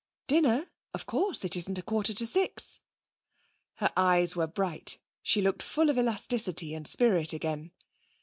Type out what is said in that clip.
'Dinner? Of course. It isn't a quarter to six.' Her eyes were bright. She looked full of elasticity and spirit again.